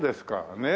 ねえ？